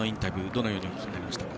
どのようにお聞きになりましたか。